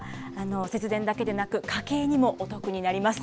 節電だけでなく、家計にもお得になります。